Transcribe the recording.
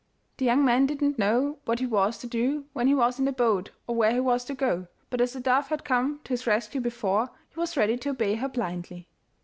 The young man did not know what he was to do when he was in the boat or where he was to go, but as the dove had come to his rescue before, he was ready to obey her blindly.